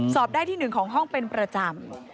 สอบได้ที่๑ของห้องเป็นประจำ